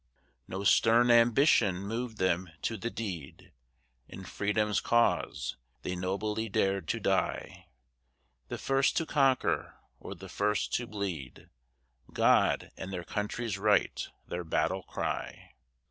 No stern ambition moved them to the deed: In Freedom's cause they nobly dared to die. The first to conquer, or the first to bleed, "God and their country's right" their battle cry.